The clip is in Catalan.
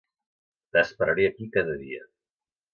T'esperaré aquí cada dia.